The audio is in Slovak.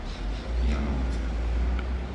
Janovce